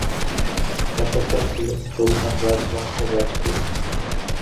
শাসকরা ছিলেন চৌহান রাজবংশের রাজপুত।